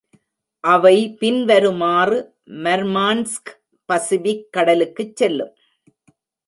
அவை பின் வருமாறு மர்மான்ஸ்க் பசிபிக் கடலுக்குச் செல்லும்.